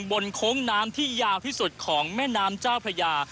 โค้งน้ำที่ยาวที่สุดของแม่น้ำเจ้าพระยา